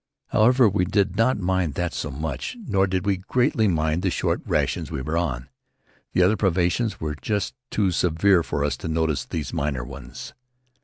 However, we did not mind that so much. Nor did we greatly mind the short rations we were on. The other privations were too severe for us to notice these minor ones.